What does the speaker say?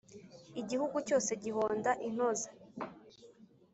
Igihugu cyose gihonda intozi